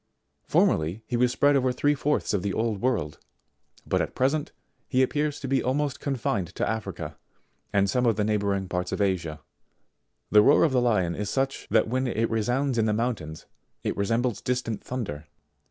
Formerly he was spread over three fourths of the old world, but at present, he appears to be almost confined to Africa and some of the neigh bouring parts of Asia. The roar of the Lion is such, that when it resounds in the mountains it resembles distant thunder.